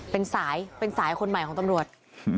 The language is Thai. เป็นสายเป็นสายคนใหม่ของตำรวจ